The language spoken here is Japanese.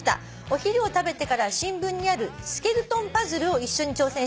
「お昼を食べてから新聞にあるスケルトンパズルを一緒に挑戦しました」